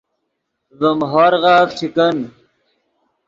ڤیم ہورغف چے کن